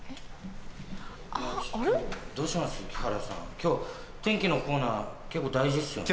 今日天気のコーナー結構大事ですよね。